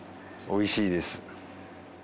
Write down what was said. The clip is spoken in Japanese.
おいしいです。